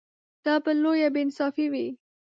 دا به لویه بې انصافي وي.